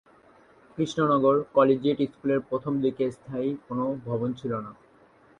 Krishnanagar collegiate স্কুলটির প্রথম দিকে স্থায়ী কোনও ভবন ছিল না।